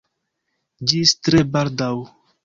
Ĝis tre baldaŭ!